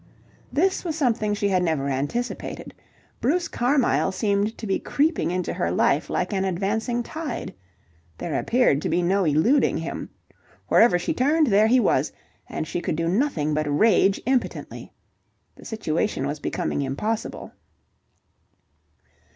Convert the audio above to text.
This was something she had never anticipated. Bruce Carmyle seemed to be creeping into her life like an advancing tide. There appeared to be no eluding him. Wherever she turned, there he was, and she could do nothing but rage impotently. The situation was becoming impossible.